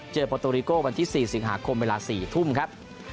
เจอประตูริโกวันที่๔สิงหาคมเวลา๔ทุ่มครับ